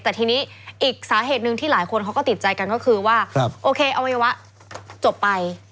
แต่ทีนี้อีกสาเหตุที่หลายคนติดใจกันก็คือว่าโอเคอาวีวะจบไป